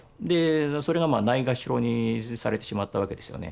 それがないがしろにされてしまったわけですよね。